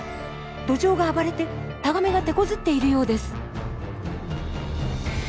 ドジョウが暴れてタガメがてこずっているようです。